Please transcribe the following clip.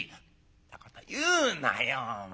「んなこと言うなよお前。